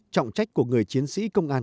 trọng trách của người chiến sĩ công an